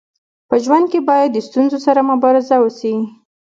په ژوند کي باید د ستونزو سره مبارزه وسي.